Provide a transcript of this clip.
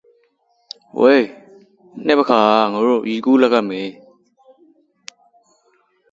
We might burn our spacesuits or the exterior of the station.